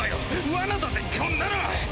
ワナだぜこんなの！